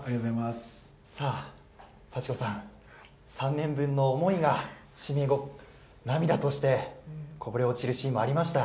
祥子さん、３年分の思いが指名後、涙としてこぼれ落ちるシーンもありました。